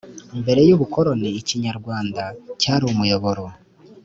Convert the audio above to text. Mbere y’ubukoroni, Ikinyarwanda cyari umuyoboro